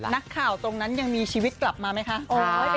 ตรงนั้นยังมีชีวิตกลับมาไหมคะ